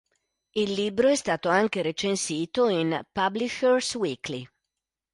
Il libro è stato anche recensito in "Publishers Weekly".